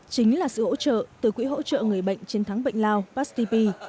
chính là sự hỗ trợ từ quỹ hỗ trợ người bệnh trên thắng bệnh lao past tp